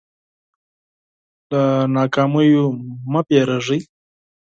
له ناکامیو مه وېرېږئ.